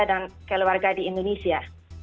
dan keluarga di indonesia